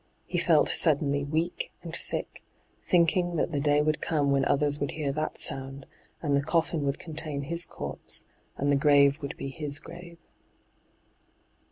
He felt suddenly weak and sick, thinking that the day would come when others would hear that sound, and the coffin would contain his corpse, and the grave would be his grave.